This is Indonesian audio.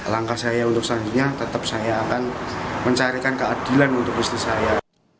langkah saya untuk selanjutnya tetap saya akan mencarikan keadilan untuk istri saya